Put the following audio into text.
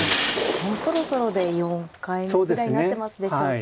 もうそろそろで４回ぐらいになってますでしょうか。